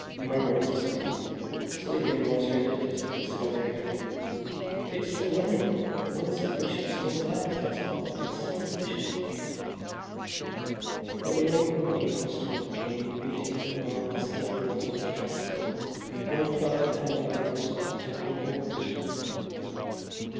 Moira was asleep. Sleeping was her latest discovery. "It's so wonderful. One simply shuts one's eyes, that's all. It's so delicious." When the old ruddy postman came beating along the sandy road on his tricycle one felt the handle bars ought to have been oars.